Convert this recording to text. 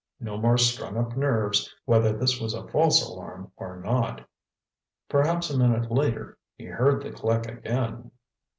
No more strung up nerves, whether this was a false alarm or not. Perhaps a minute later, he heard the click again.